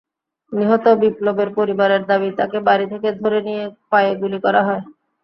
নিহত বিপ্লবের পরিবারের দাবি, তাঁকে বাড়ি থেকে ধরে নিয়ে পায়ে গুলি করা হয়।